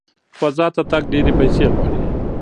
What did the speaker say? فضا ته تګ ډېرې پیسې غواړي.